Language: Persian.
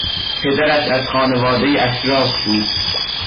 پدرش از خانوادهی اشراف بود.